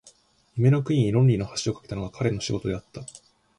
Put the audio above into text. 夢の国に論理の橋を架けたのが彼の仕事であった。